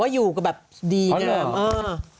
แต่ว่าอยู่ก็แบบดีกันแหละเพราะเลยเหรอ